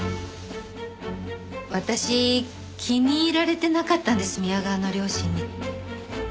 私気に入られてなかったんです宮川の両親に。